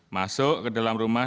masuk ke dalam rumah